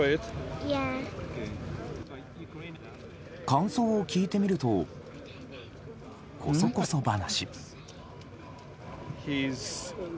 感想を聞いてみるとこそこそ話。